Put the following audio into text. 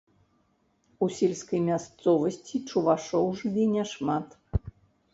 У сельскай мясцовасці чувашоў жыве няшмат.